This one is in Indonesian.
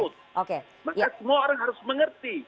maka semua orang harus mengerti